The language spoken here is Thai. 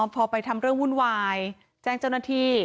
พอไปทำเรื่องวุ่นวายแจ้งเจ้าหน้าที่